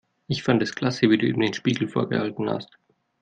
Ich fand es klasse, wie du ihm den Spiegel vorgehalten hast.